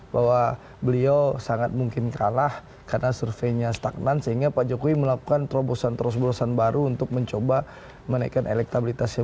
bahwa beliau sangat mungkin kalah karena surveinya stagnan sehingga pak jokowi melakukan terobosan terobosan baru untuk mencoba menaikkan elektabilitasnya